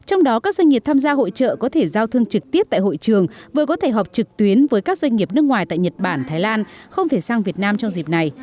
trong đó các doanh nghiệp tham gia hội trợ có thể giao thương trực tiếp tại hội trường vừa có thể họp trực tuyến với các doanh nghiệp nước ngoài tại nhật bản thái lan không thể sang việt nam trong dịp này